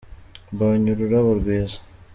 Mbonye ururabo rwiza.